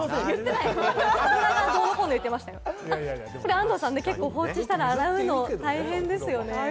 安藤さん、結構放置したら洗うの大変ですよね。